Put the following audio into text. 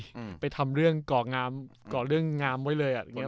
มันก็เข้ามาไปทำเรื่องก่องามเรื่องงามไว้เลยอะ